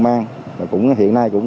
tại là patient yelling